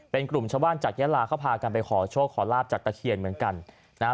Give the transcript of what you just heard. เป็นกลุ่มชาวบ้านจากยาลาเขาพากันไปขอโชคขอลาบจากตะเคียนเหมือนกันนะฮะ